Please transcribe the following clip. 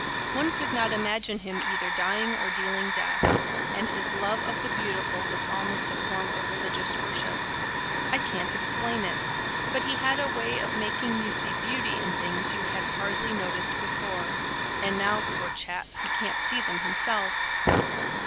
One could not imagine him either dying or dealing death. And his love of the beautiful was almost a form of religious worship. I can't explain it; but he had a way of making you see beauty in things you had hardly noticed before. And now, poor chap, he can't see them himself."